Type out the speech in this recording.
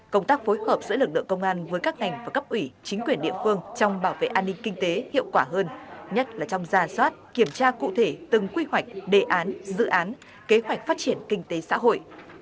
công tác phối hợp giữa lực lượng công an với các ngành và cấp ủy chính quyền địa phương trong bảo vệ an ninh kinh tế hiệu quả hơn nhất là trong gia soát kiểm tra cụ thể từng quy hoạch đề án dự án kế hoạch phát triển kinh tế xã hội